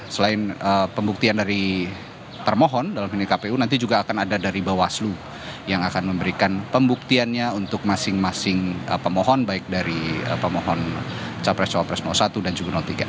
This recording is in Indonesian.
selain pembuktian dari termohon dalam ini kpu nanti juga akan ada dari bawaslu yang akan memberikan pembuktiannya untuk masing masing pemohon baik dari pemohon capres cawapres satu dan juga tiga